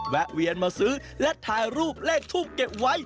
แวนมาซื้อและถ่ายรูปเลขทูปเก็บไว้